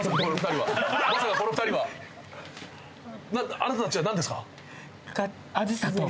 あなたたちは何ですか？